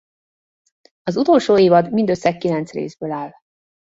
Az utolsó évad mindössze kilenc részből áll.